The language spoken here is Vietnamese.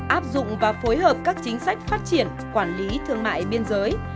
áp dụng và phối hợp các chính sách phát triển quản lý thương mại biên giới